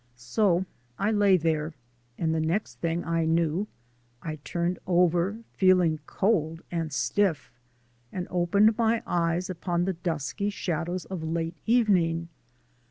So I lay there and the next thing I knew, I turned over, feeling cold and stiff, and opened my eyes upon the dusky shadows of late evening.